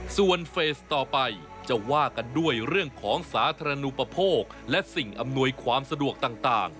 ส่วนเฟสต่อไปจะว่ากันด้วยเรื่องของสาธารณูปโภคและสิ่งอำนวยความสะดวกต่าง